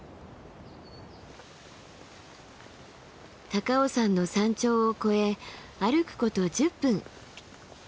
高尾山の山頂を越え歩くこと１０分。